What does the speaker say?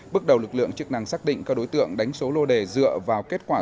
bước đầu lực lượng chức năng xác định các đối tượng đánh số lô đề dựa vào kết quả